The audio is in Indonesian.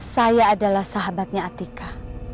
saya adalah sahabatnya atika